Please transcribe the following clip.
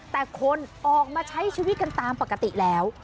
แต่คนออกมาใช้ชีวิตกันตามปกติแล้ว